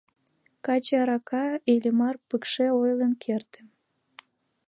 — Каче арака, — Иллимар пыкше ойлен керте.